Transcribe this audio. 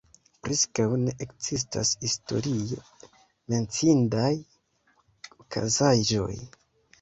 Preskaŭ ne ekzistas historie menciindaj okazaĵoj.